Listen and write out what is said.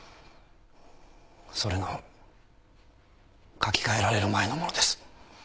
それの書き換えられる前のものです。